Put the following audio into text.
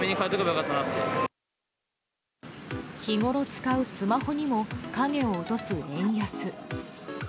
日ごろ使うスマホにも影を落とす円安。